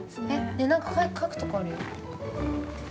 ◆なんか書くとこあるよ。